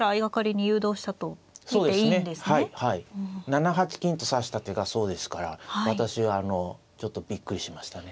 ７八金と指した手がそうですから私はちょっとびっくりしましたね。